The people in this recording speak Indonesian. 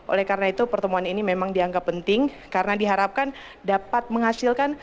oleh karena itu pertemuan ini memang dianggap penting karena diharapkan dapat menghasilkan